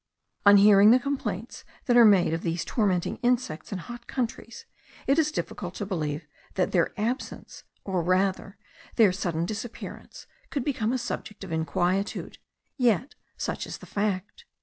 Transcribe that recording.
On hearing the complaints that are made of these tormenting insects in hot countries it is difficult to believe that their absence, or rather their sudden disappearance, could become a subject of inquietude; yet such is the fact.